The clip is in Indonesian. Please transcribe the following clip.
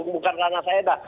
bukan karena saya dah